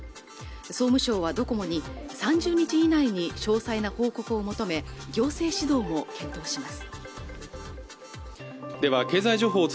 総務省はドコモに３０日以内に詳細な報告を求め行政指導を検討します